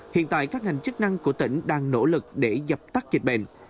hiện tại các ngành chức năng của tỉnh đang nỗ lực để dập tắt dịch bệnh